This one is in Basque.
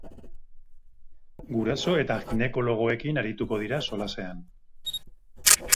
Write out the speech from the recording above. Guraso eta ginekologoekin arituko dira solasean.